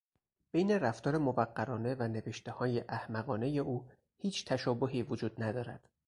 بین رفتار موقرانه و نوشتههای احمقانهی او هیچ تشابهی وجود ندارد.